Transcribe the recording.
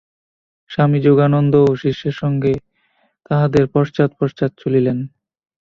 স্বামী যোগানন্দও শিষ্যের সঙ্গে তাঁহাদের পশ্চাৎ পশ্চাৎ চলিলেন।